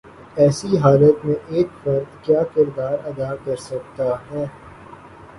ایسی حالت میں ایک فرد کیا کردار ادا کر سکتا ہے؟